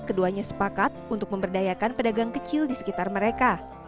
keduanya sepakat untuk memberdayakan pedagang kecil di sekitar mereka